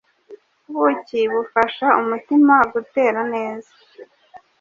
ubuki bufasha umutima gutera neza,